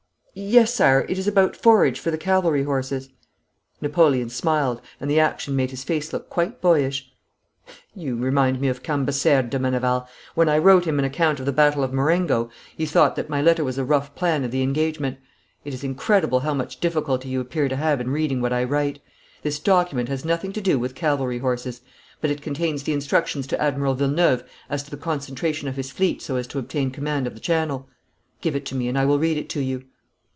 'Yes, Sire, it is about forage for the cavalry horses.' Napoleon smiled, and the action made his face look quite boyish. 'You remind me of Cambaceres, de Meneval. When I wrote him an account of the battle of Marengo, he thought that my letter was a rough plan of the engagement. It is incredible how much difficulty you appear to have in reading what I write. This document has nothing to do with cavalry horses, but it contains the instructions to Admiral Villeneuve as to the concentration of his fleet so as to obtain command of the Channel. Give it to me and I will read it to you.'